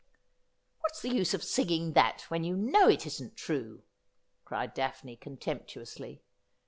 ' What's the use of singing that when you know it isn't true ?' cried Daphne contemptuously.